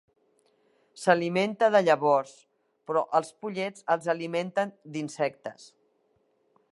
S'alimenta de llavors, però els pollets els alimenten d'insectes.